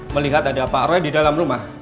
melihat ada pak roy di dalam rumah